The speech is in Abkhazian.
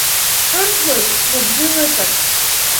Ҿырҭуеит, рыбжьы ныҵак…